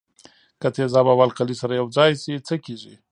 که تیزاب او القلي سره یوځای شي څه کیږي.